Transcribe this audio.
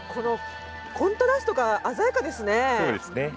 コントラストが鮮やかですね。